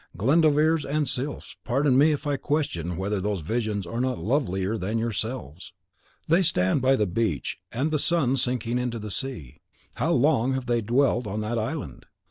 Glendoveers and Sylphs, pardon me if I question whether those visions are not lovelier than yourselves. They stand by the beach, and see the sun sinking into the sea. How long now have they dwelt on that island?